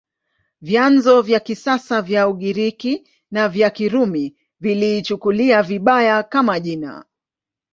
Vyanzo vya kisasa vya Ugiriki na vya Kirumi viliichukulia vibaya, kama jina.